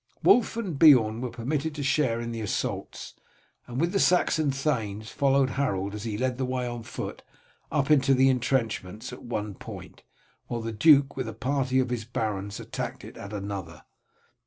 Wulf and Beorn were permitted to share in the assaults, and with the Saxon thanes followed Harold, as he led the way on foot up to the intrenchments at one point, while the duke with a party of his barons attacked at another.